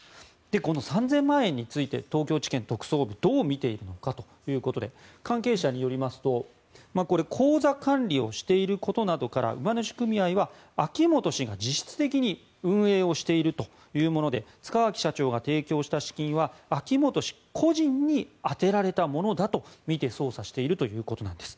この３０００万円について東京地検特捜部はどう見ているのかということで関係者によりますと口座管理をしていることなどから馬主組合は秋本氏が実質的に運営をしているというもので塚脇社長が提供した資金は秋本氏個人に充てられたものとみて捜査しているということなんです。